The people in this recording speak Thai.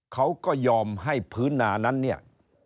เขาก็ยอมให้พื้นนานั้นเนี่ย